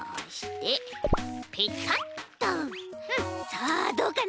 さあどうかな？